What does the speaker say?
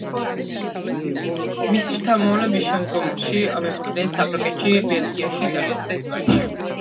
მისი შთამომავლები შემდგომში მეფობდნენ საფრანგეთში, ბელგიაში, იტალიასა და ესპანეთში.